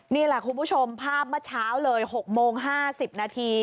นี่แหละคุณผู้ชมภาพเมื่อเช้าเลย๖โมง๕๐นาที